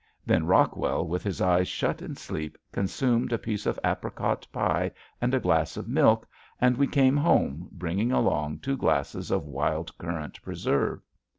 Then Rockwell with his eyes shut in sleep, consumed a piece of apricot pie and a glass of milk, and we came home bringing along two glasses of wild currant preserve.